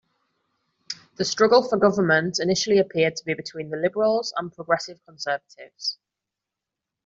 The struggle for government initially appeared to be between the Liberals and Progressive Conservatives.